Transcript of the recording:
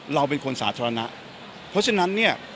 เราเป็นคนสาธารณะเพราะฉะนั้นเนี่ย